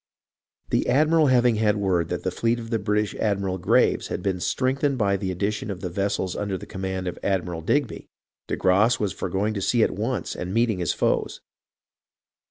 The admiral having had word that the fleet of the British admiral Graves had been strengthened by the addition of the vessels under the command of Admiral Digby, de Grasse was for going to sea at once and meet ing his foes.